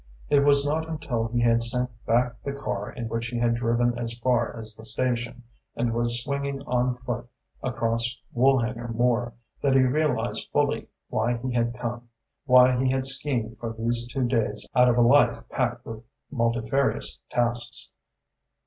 It was not until he had sent back the car in which he had driven as far as the station, and was swinging on foot across Woolhanger Moor, that he realised fully why he had come, why he had schemed for these two days out of a life packed with multifarious tasks.